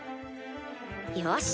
よし！